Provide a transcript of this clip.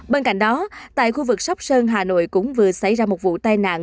bên cạnh đó tại khu vực sóc sơn hà nội cũng vừa xảy ra một vụ tai nạn